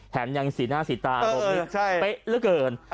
แถมยังสีหน้าสีตาครบนิดเป๊ะละเกิน